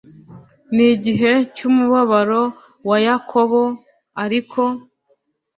Ni igihe cy umubabaro wa Yakobo ariko